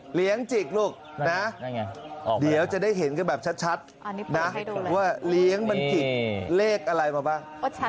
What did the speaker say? เลี้ยงจิกลูกนะเดี๋ยวจะได้เห็นกันแบบชัดนะว่าเลี้ยงมันจิกเลขอะไรมาบ้าง